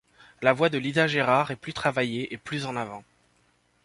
La voix de Lisa Gerrard est plus travaillée et plus en avant.